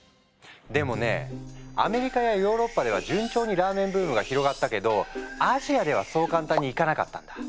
でもねアメリカやヨーロッパでは順調にラーメンブームが広がったけどアジアではそう簡単にいかなかったんだ。